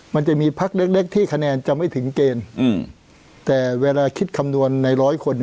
มันจะมีพักเล็กเล็กที่คะแนนจะไม่ถึงเกณฑ์แต่เวลาคิดคำนวณในร้อยคน